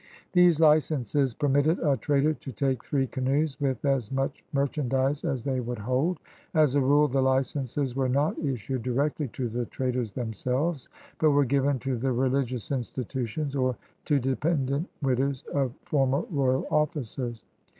These licenses permitted a trader to take, three canoes with as much mer chandise as they would hold. As a rule the licenses were not issued directly to the traders themselves, but were given to the reHgious in stitutions or to dependent widows of former royal officers.